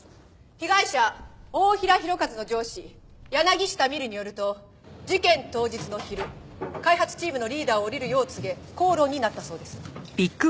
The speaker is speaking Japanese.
被害者太平洋和の上司柳下美瑠によると事件当日の昼開発チームのリーダーを降りるよう告げ口論になったそうです。